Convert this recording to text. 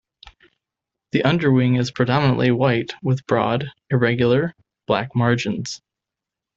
The underwing is predominantly white with broad, irregular, black margins.